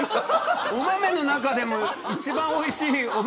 お豆の中でも一番おいしいお豆。